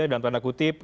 dalam tanda kutip